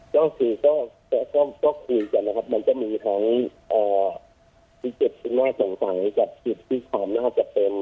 ก็คือจริงกันนะครับมันจะมีทั้งพิเศษง่าสงสัยกับพิจารณสินทรี่ความน่าจะเป็น